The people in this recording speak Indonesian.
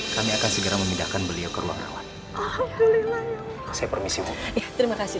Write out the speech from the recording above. kami akan segera memindahkan beliau ke ruang rawat saya permisi terima kasih